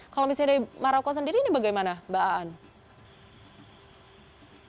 kalau misalnya di maroko sendiri ini bagaimana mbak